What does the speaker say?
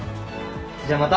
じゃあまた。